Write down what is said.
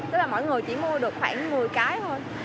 tức là mỗi người chỉ mua được khoảng một mươi cái thôi